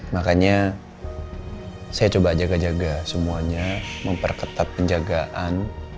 makanya saya coba jaga jaga semuanya memperketat penjagaan